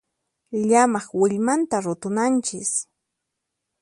Llamaq willmanta rutunanchis.